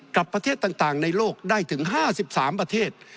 กับประเทศต่างในโลกได้ถึง๕๓ประเทศ